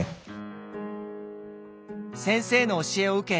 先生の教えを受け